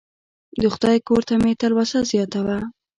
د خدای کور ته مې تلوسه زیاته وه.